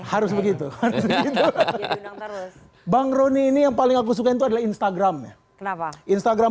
harus begitu harus begitu bang rony ini yang paling aku suka itu adalah instagramnya kenapa instagram